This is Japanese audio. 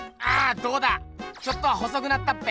どうだちょっとは細くなったっぺ？